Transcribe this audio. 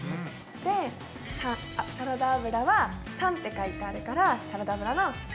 でサラダ油は③って書いてあるからサラダ油の「ダ」。